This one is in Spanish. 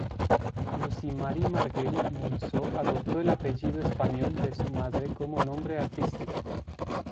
Lucie Marie Marguerite Monceau adoptó el apellido español de su madre como nombre artístico.